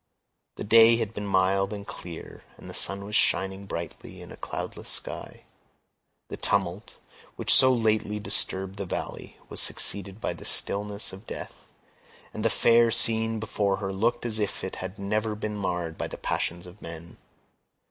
The day had been mild and clear, and the sun was shining brightly in a cloudless sky. The tumult, which so lately disturbed the valley, was succeeded by the stillness of death, and the fair scene before her looked as if it had never been marred by the passions of men.